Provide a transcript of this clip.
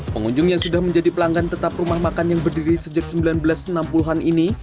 pengunjung yang sudah menjadi pelanggan tetap rumah makan yang berdiri sejak seribu sembilan ratus enam puluh an ini